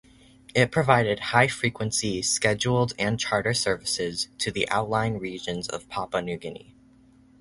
It provided high-frequency scheduled and charter services to outlying regions of Papua New Guinea.